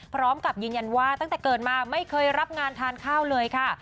พร้อมกับยืนยันว่าตั้งแต่เกิดมาไม่เคยรับงานทานข้าวเลยค่ะ